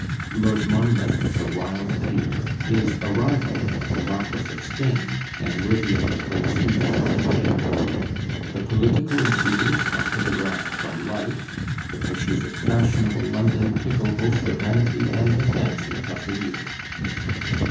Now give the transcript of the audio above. Lord Monmouth, the wild peer, is a rival of the "Marquis of Steyne" and worthy of a place in 'Vanity Fair'; the political intriguers are photographed from life, the pictures of fashionable London tickle both the vanity and the fancy of the reader.